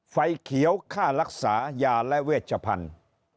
ไฟเขียวค่ารักษายาและเวชพันธุ์